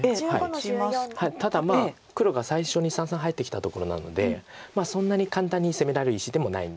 ただ黒が最初に三々入ってきたところなのでそんなに簡単に攻められる石でもないんですよね。